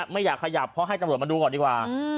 ไม่อยากขยับเพราะให้ตำรวจมาดูก่อนดีกว่า